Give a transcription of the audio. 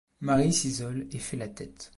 Marie s'isole et fait la tête.